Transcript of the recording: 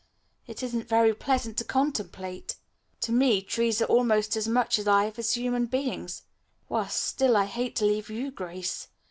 It isn't very pleasant to contemplate. To me trees are almost as much alive as human beings. Worse still, I hate to leave you, Grace.